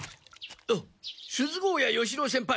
あっ錫高野与四郎先輩